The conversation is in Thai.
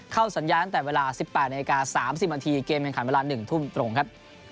เข้าสัญญาณตั้งแต่เวลา๑๘นาที๓๐นาทีเกมแข่งขันเวลา๑ทุ่มตรงครับ